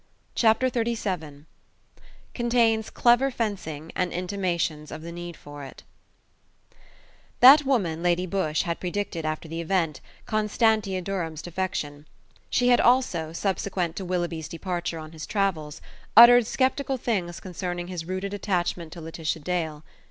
CHAPTER XXXVII CONTAINS CLEVER FENCING AND INTIMATIONS OF THE NEED FOR IT That woman, Lady Busshe, had predicted, after the event, Constantia Durham's defection. She had also, subsequent to Willoughby's departure on his travels, uttered sceptical things concerning his rooted attachment to Laetitia Dale.